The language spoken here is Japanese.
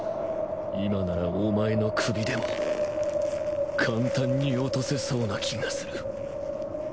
今ならお前の首でも簡単に落とせそうな気がする。